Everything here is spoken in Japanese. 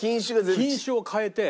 品種を変えて。